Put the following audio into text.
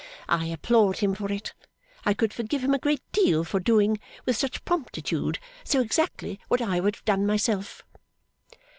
I applaud him for it. I could forgive him a great deal for doing, with such promptitude, so exactly what I would have done myself!